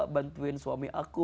bantuin suami aku